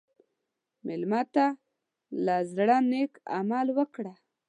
مېلمه ته له زړه نیک عمل وکړه.